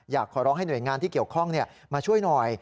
อยากขอร้องให้หน่วยงานที่เกี่ยวข้องมาช่วยหน่อย